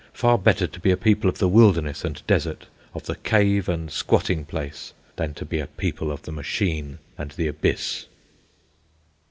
Far better to be a people of the wilderness and desert, of the cave and the squatting place, than to be a people of the machine and the Abyss.